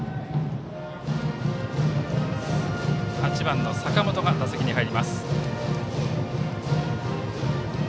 ８番の坂本が打席に入ります。